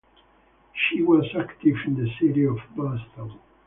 She was active in the city of Boston.